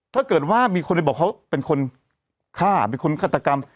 ถ้าเกิดว่ามีคนไปบอกเขาเป็นคนฆ่าเป็นคนฆาตกรรม